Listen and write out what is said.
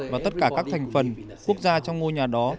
và tất cả các thành phần quốc gia trong ngôi nhà đó